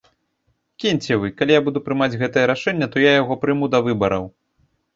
Кіньце вы, калі я буду прымаць гэтае рашэнне, то я яго прыму да выбараў.